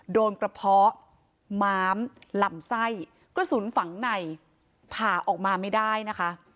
โดนกระเพาะม้ามลำไส้กระสุนฝังในผ่าออกมาไม่ได้นะคะ